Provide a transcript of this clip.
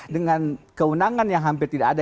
dengan kewenangan yang hampir tidak ada